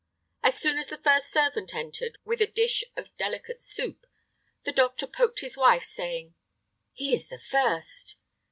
As soon as the first servant entered with a dish of delicate soup, the doctor poked his wife, saying, "He is the first!"